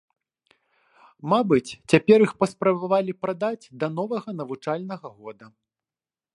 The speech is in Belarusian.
Мабыць, цяпер іх паспрабавалі прадаць да новага навучальнага года.